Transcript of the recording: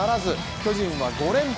巨人は５連敗。